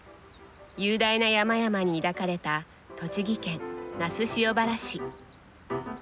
雄大な山々に抱かれた栃木県那須塩原市。